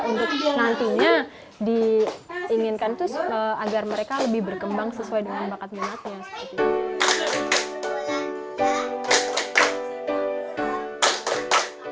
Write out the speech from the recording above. untuk nantinya diinginkan agar mereka lebih berkembang sesuai dengan bakat minatnya